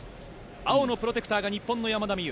青のプロテクターが日本の山田美諭。